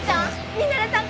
ミナレさん